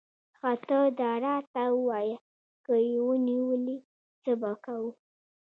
ښه ته داراته ووایه، که یې ونیولې، څه به کوو؟